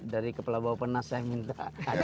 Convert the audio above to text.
dari kepala bapak penas saya minta